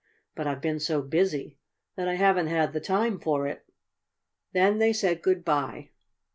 But I've been so busy that I haven't had the time for it." Then they said good by.